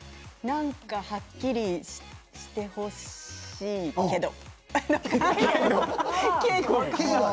何かはっきりしてほしいけど。